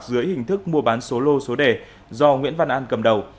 dưới hình thức mua bán số lô số đề do nguyễn văn an cầm đầu